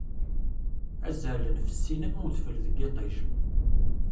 Azalen, fessin am udfel deg yiṭij.